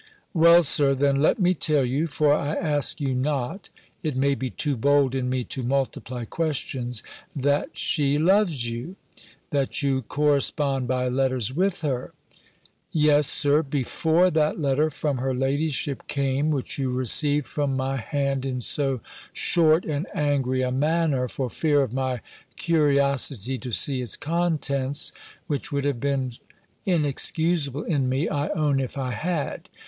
"Well, Sir, then let me tell you, for I ask you not (it may be too bold in me to multiply questions,) that she loves you; that you correspond by letters with her Yes, Sir, before that letter from her ladyship came, which you received from my hand in so short and angry a manner, for fear of my curiosity to see its contents, which would have been inexcusable in me, I own, if I had.